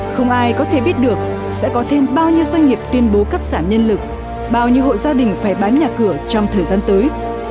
không ai có thể biết được sẽ có thêm bao nhiêu doanh nghiệp tuyên bố cắt giảm nhân lực bao nhiêu hộ gia đình phải bán nhà cửa trong thời gian tới